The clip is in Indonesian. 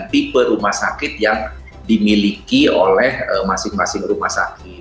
jadi kita bisa memilih rumah sakit yang dimiliki oleh masing masing rumah sakit